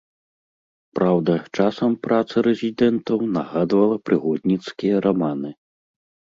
Праўда, часам праца рэзідэнтаў нагадвала прыгодніцкія раманы.